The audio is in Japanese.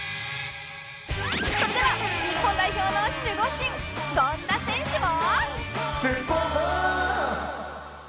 それでは日本代表の守護神権田選手を